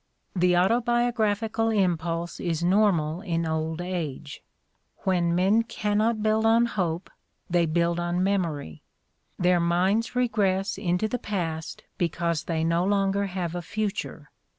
The autobiographical impulse is normal in old age : when men cannot build on hope they build on memory, their minds regress into the past because they no longer have a future.